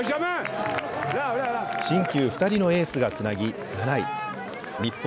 新旧２人のエースがつなぎ、７位。